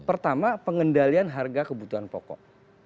pertama pengendalian harga kebutuhan pokok